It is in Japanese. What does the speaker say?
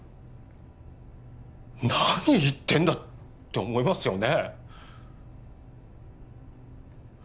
何言ってんだって思いますよね？